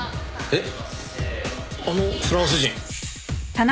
えっ！？